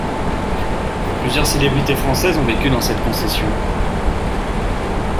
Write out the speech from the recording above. Plusieurs célébrités françaises ont vécu dans cette concession.